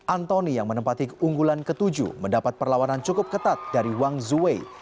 antoni yang menempati keunggulan ke tujuh mendapat perlawanan cukup ketat dari wang zuwei